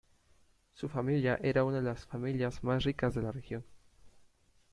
Su familia era una de las familias más ricas de la región.